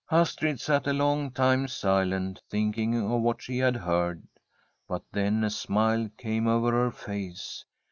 Astrid sat a long time silent, thinking of what she had heard. But then a smile came over her face.